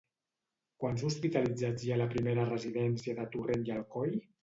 Quants hospitalitzats hi ha a la primera residència de Torrent i Alcoi?